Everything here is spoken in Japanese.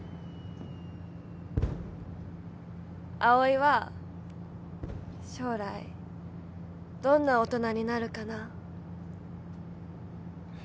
葵は将来どんな大人になるかな？